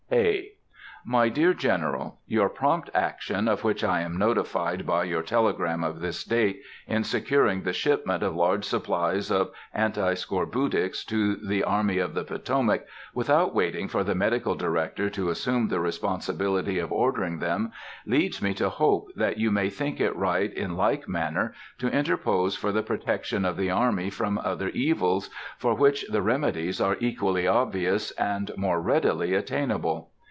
(A.) MY DEAR GENERAL:—Your prompt action, of which I am notified by your telegram of this date, in securing the shipment of large supplies of anti scorbutics to the Army of the Potomac, without waiting for the Medical Director to assume the responsibility of ordering them, leads me to hope that you may think it right in like manner to interpose for the protection of the army from other evils, for which the remedies are equally obvious, and more readily attainable.